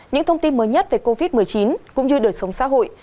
những thông tin mới nhất về covid một mươi chín cũng như đời sống xã hội